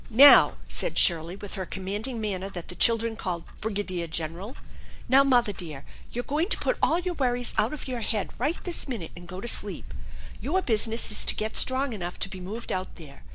"Now," said Shirley with her commanding manner that the children called "brigadier general," "now, mother dear, you're going to put all your worries out of your head right this minute, and go to sleep. Your business is ta get strong enough to be moved out there.